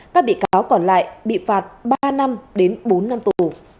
các bị cáo còn lại bị phạt ba năm đến bốn năm tù